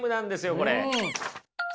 これ。